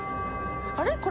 あれ？